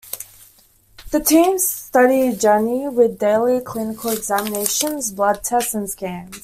The team studied Jani with daily clinical examinations, blood tests, and scans.